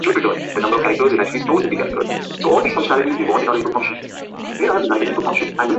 Players lose a life if they make contact with a Troggle.